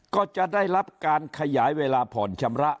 ก็จะได้รับการขยายเวลาผ่อนชำระ